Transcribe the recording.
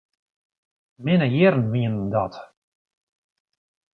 Minne jierren wienen dat.